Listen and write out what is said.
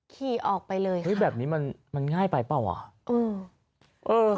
ขี่ออกไปเลยเฮ้ยแบบนี้มันง่ายไปเปล่าอ่ะอืมเออ